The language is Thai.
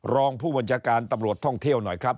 รองผู้บัญชาการตำรวจท่องเที่ยวหน่อยครับ